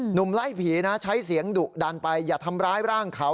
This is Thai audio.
หนุ่มไล่ผีนะใช้เสียงดุดันไปอย่าทำร้ายร่างเขา